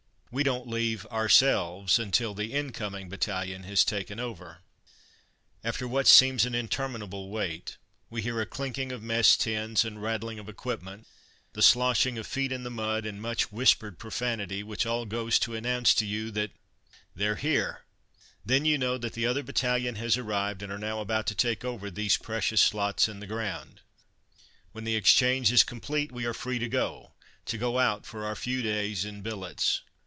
We don't leave, ourselves, until the "incoming" battalion has taken over. [Illustration: soldier at rest] After what seems an interminable wait, we hear a clinking of mess tins and rattling of equipment, the sloshing of feet in the mud, and much whispered profanity, which all goes to announce to you that "they're here!" Then you know that the other battalion has arrived, and are now about to take over these precious slots in the ground. When the exchange is complete, we are free to go! to go out for our few days in billets!